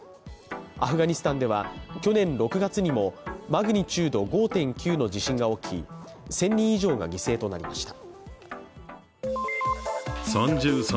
アフガニスタンでは去年６月にもマグニチュード５．９の地震が起き１０００人以上が犠牲となりました。